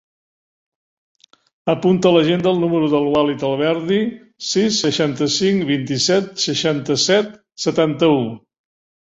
Apunta a l'agenda el número del Walid Alberdi: sis, seixanta-cinc, vint-i-set, seixanta-set, setanta-u.